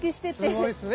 すごいですね。